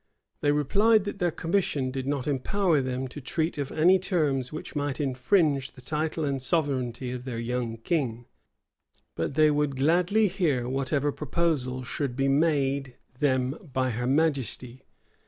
[*] They replied that their commission did not empower them to treat of any terms which might infringe the title and sovereignty of their young king; but they would gladly hear whatever proposals should be made them by her majesty.